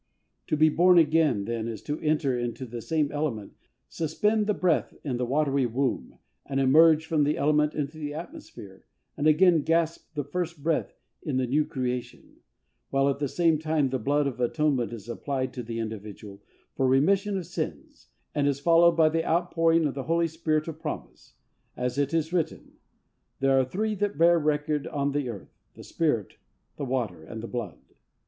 To be born again, then, is to enter into the same element, suspend the breath in the watery womb, and emerge from that element into the atmosphere, and again gasp the first breath in the new creation; while, at the same time, the blood of Atonement is applied to the individual, for remission of sins, and is followed by the outpouring of the Holy Spirit of promise. As it is written "There are three that bear record on the earth; the spirit, the water, and the blood."